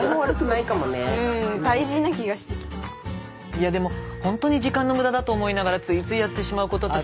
いやでもほんとに時間の無駄だと思いながらついついやってしまうことって。